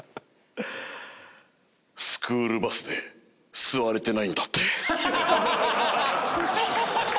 スクールバスで座れてないんだって？